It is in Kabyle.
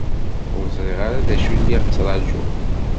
Ur ẓriɣ ara d acu i lliɣ ttraǧuɣ.